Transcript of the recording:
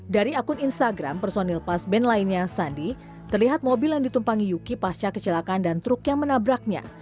dari akun instagram personil pasben lainnya sandi terlihat mobil yang ditumpangi yuki pasca kecelakaan dan truk yang menabraknya